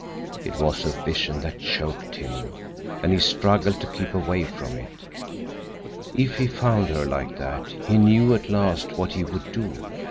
It was a vision that choked him, and he struggled to keep away from it. If he found her like that, he knew, at last, what he would do.